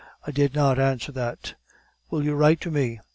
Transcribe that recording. "I did not answer that. "'Will you write to me?